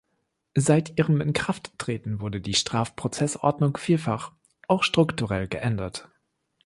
Seit ihrem Inkrafttreten wurde die Strafprozessordnung vielfach, auch strukturell geändert.